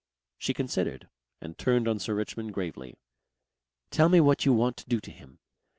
She considered and turned on Sir Richmond gravely. "Tell me what you want to do to him.